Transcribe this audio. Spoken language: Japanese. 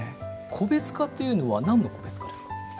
個別化というのは何の個別化ですか？